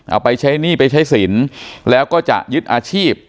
เอาไปใช้หนี้ไปใช้สินแล้วก็จะยึดอาชีพ